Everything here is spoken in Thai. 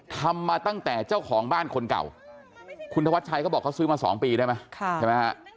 ทำมาตั้งแต่เจ้าของบ้านคนเก่าคุณทวัดชัยก็บอกเขาซื้อมา๒ปีได้ไหม